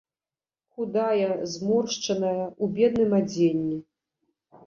Худая, зморшчаная, у бедным адзенні.